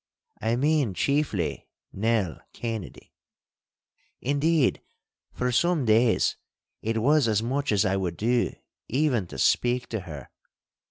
I mean chiefly Nell Kennedy. Indeed, for some days it was as much as I would do even to speak to her.